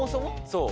そう。